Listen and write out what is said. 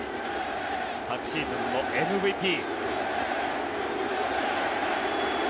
昨シーズンのＭＶＰ。